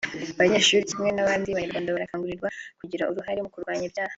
Abanyeshuri kimwe nk’abandi banyarwanda barakangurirwa kugira uruhare mu kurwanya ibyaha